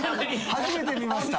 初めて見ました。